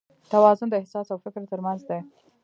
توازن د احساس او فکر تر منځ دی.